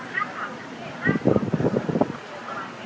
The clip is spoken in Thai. สวัสดีครับ